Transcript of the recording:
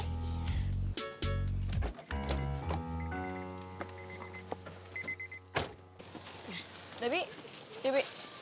udah bi yuk bi